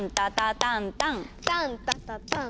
タンタタタタタン。